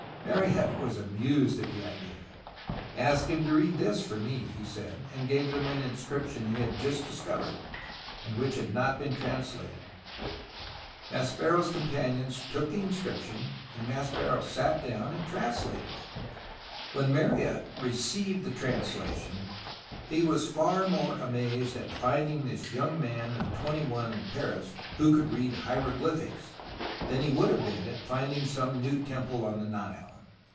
Mariette was amused at the idea. " Ask him to read this for me," he said, and gave them an in scription he had just discovered and which had not been translated. Maspero's companions ""took the inscription, and Maspero sat down and translated it. When Mariette received the translation he was far more amazed at finding this young man of twenty one in Paris who could read hieroglyphics, than he would have been at finding some new temple on the Nile.